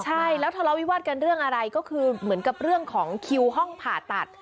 ใช่แล้วทะเลาวิวาสกันเรื่องอะไรก็คือเหมือนกับเรื่องของคิวห้องผ่าตัด